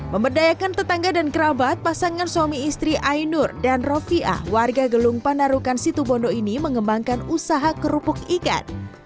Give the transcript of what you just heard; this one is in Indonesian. memberdayakan tetangga dan kerabat pasangan suami istri ainur dan rofiah warga gelung panarukan situbondo ini mengembangkan usaha kerupuk ikan